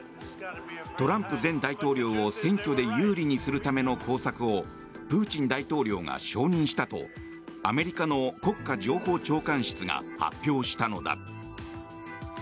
トランプ前大統領を選挙で有利にするための工作をプーチン大統領が承認したとアメリカの国家情報長官室が発表したのだ。